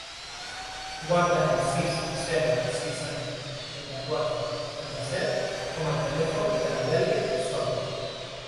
Guarda el sis, zero, seixanta, trenta-quatre, trenta-set com a telèfon de la Dèlia Sola.